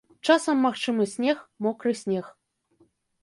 Часам магчымы снег, мокры снег.